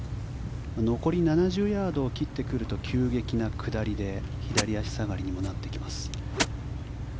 残り７０ヤードを切ってくると急激な下りで左足下がりにもなってきます。